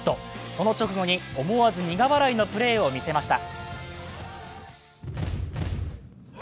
その直後に思わず苦笑いのプレーを見せました。